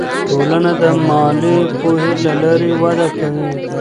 ټولنه د مالي پوهې له لارې وده کوي.